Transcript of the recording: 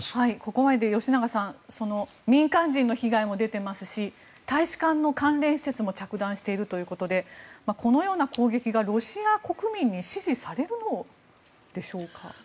ここまでで吉永さん民間人の被害も出ていますし大使館の関連施設も着弾しているということでこのような攻撃がロシア国民に支持されるのでしょうか。